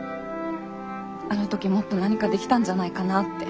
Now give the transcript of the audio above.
あのときもっと何かできたんじゃないかなって。